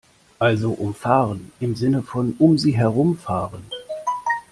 Also umfahren im Sinne von "um sie herumfahren".